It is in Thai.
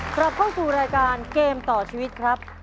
กลับเข้าสู่รายการเกมต่อชีวิตครับ